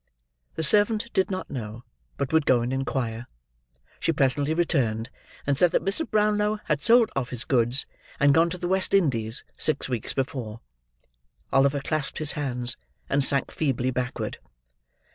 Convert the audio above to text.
The servant did not know; but would go and inquire. She presently returned, and said, that Mr. Brownlow had sold off his goods, and gone to the West Indies, six weeks before. Oliver clasped his hands, and sank feebly backward.